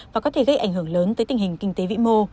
và có thể gây ảnh hưởng lớn tới tình hình kinh tế vĩ mô